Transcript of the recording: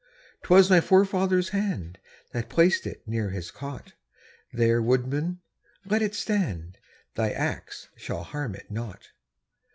'Twas my forefather's hand That placed it near his cot; There, woodman, let it stand, Thy axe shall harm it not.